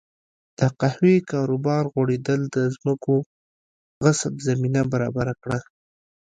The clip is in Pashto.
د قهوې کاروبار غوړېدل د ځمکو غصب زمینه برابره کړه.